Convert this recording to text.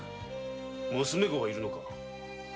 娘御がいるのか。